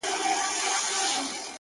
يو څو د ميني افسانې لوستې ـ